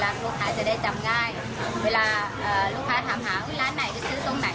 ลูกค้าจะได้จำง่ายเวลาลูกค้าถามหาร้านไหนไปซื้อตรงไหน